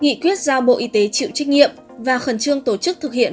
nghị quyết giao bộ y tế chịu trách nhiệm và khẩn trương tổ chức thực hiện